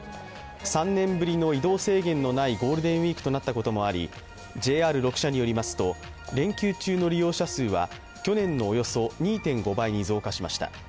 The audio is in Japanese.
３年ぶりの移動制限のないゴールデンウイークとなったこともあり、ＪＲ６社によりますと、連休中の利用者数は去年のおよそ２．５倍に増加しました。